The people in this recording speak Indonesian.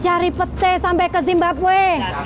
cari pece sampai ke zimbabwe